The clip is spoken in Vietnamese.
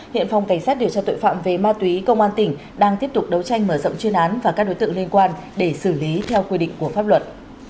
hiện phòng cảnh sát điều tra tội phạm về ma túy công an tỉnh đang tiếp tục đấu tranh mở rộng chuyên án và các đối tượng liên quan để xử lý theo quy định của pháp luật